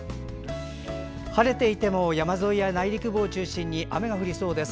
晴れていても山沿いや内陸部を中心に雨が降りそうです。